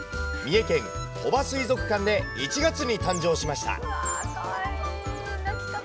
三重県鳥羽水族館で１月に誕生しました。